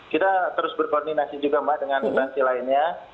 kita terus berkoordinasi juga mbak dengan instansi lainnya